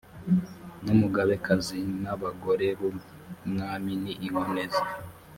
n’umugabekazi n’abagore b’umwami ni inkone ze